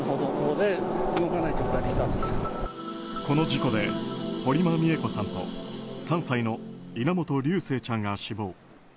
この事故で堀間美恵子さんと３歳の息子稲本琉正ちゃんが死亡。